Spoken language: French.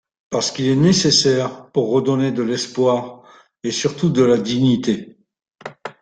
parce qu’il est nécessaire pour redonner de l’espoir et surtout de la dignité.